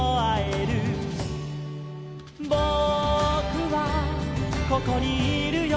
「ぼくはここにいるよ」